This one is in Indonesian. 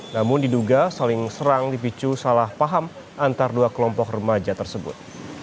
namun diduga saling serang dipicu salah paham antara dua kelompok remaja tersebut